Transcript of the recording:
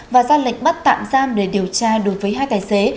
và ra lệnh bắt tạm giam để điều tra đối với hai tài xế